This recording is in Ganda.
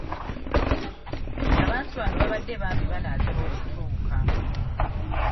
Abantu bano babadde bambi banaatera okutuuka.